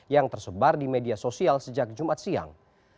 yang tersebar di media sosial sejak jumat siang